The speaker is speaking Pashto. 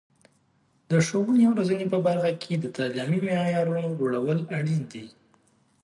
د ښوونې او روزنې په برخه کې د تعلیمي معیارونو لوړول اړین دي.